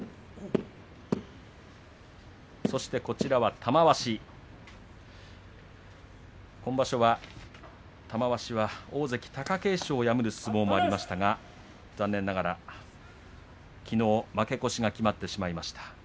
玉鷲、今場所は大関貴景勝を破る相撲もありましたが残念ながらきのう負け越しが決まりました。